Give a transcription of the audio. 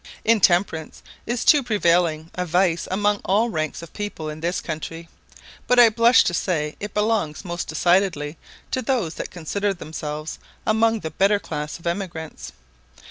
Intemperance is too prevailing a vice among all ranks of people in this country; but I blush to say it belongs most decidedly to those that consider themselves among the better class of emigrants.